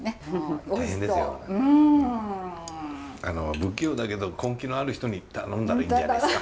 不器用だけど根気のある人に頼んだらいいんじゃないんですか？